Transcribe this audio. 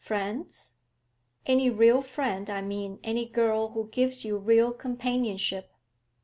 'Friends?' 'Any real friend, I mean any girl who gives you real companionship?'